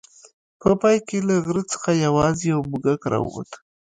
په پای کې له غره څخه یوازې یو موږک راووت.